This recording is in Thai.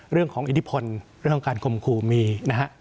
เรื่องของอิทธิพลเรื่องของการคมคู่มีนะฮะ